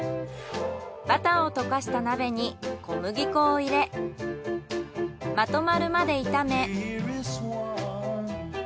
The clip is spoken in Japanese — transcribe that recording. バターを溶かした鍋に小麦粉を入れまとまるまで炒め。